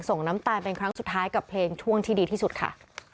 น้ำตาลเป็นครั้งสุดท้ายกับเพลงช่วงที่ดีที่สุดค่ะ